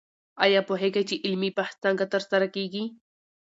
آیا پوهېږئ چې علمي بحث څنګه ترسره کېږي؟